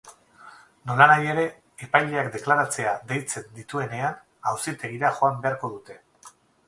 Nolanahi ere, epaileak deklaratzera deitzen dituenean, auzitegira joan beharko dute.